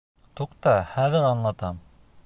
Туҡта, хәҙер аңлатам!